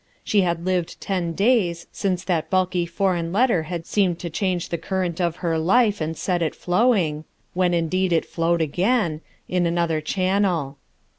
She had lived ten days since that bulky foreign letter had seemed to change the current of her life and set it flowing — when indeed it flowed again — in another channel.